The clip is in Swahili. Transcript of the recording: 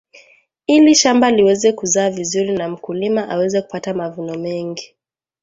ili shamba liweze kuzaa vizuri na mkulima aweze kupata mavuno mengi